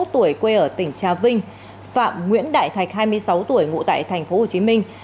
ba mươi một tuổi quê ở tỉnh trà vinh phạm nguyễn đại thạch hai mươi sáu tuổi ngụ tại tp hcm